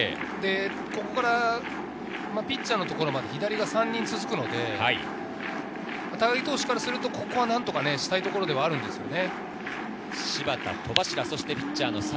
ここからピッチャーまで左が３人続くので、高木投手からすると、ここは何とかしたいところではあるんですよね。